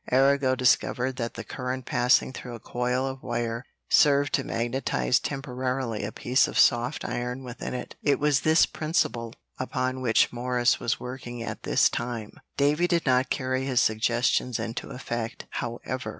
Arago discovered that the current passing through a coil of wire served to magnetize temporarily a piece of soft iron within it. It was this principle upon which Morse was working at this time. Davy did not carry his suggestions into effect, however.